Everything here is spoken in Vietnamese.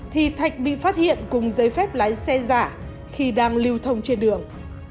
thì thạch bị phát hiện cùng giấy phép lái xe giả khi đang lưu thông trên đường